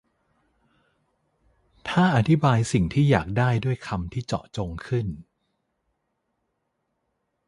ถ้าอธิบายสิ่งที่อยากได้ด้วยคำที่เจาะจงขึ้น